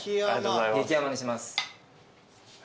激甘にします。